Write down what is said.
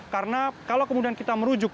karena kalau kemudian kita merujuk